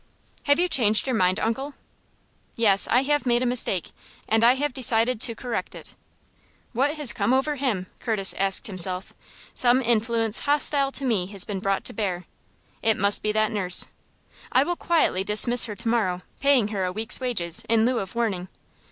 "Have you changed your mind, uncle?" "Yes; I have made a mistake, and I have decided to correct it." "What has come over him?" Curtis asked himself. "Some influence hostile to me has been brought to bear. It must be that nurse. I will quietly dismiss her to morrow, paying her a week's wages, in lieu of warning.